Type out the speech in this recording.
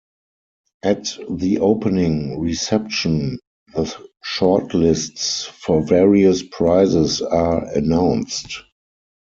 At the opening reception the shortlists for various prizes are announced.